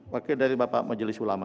wakil dari bapak majelis ulama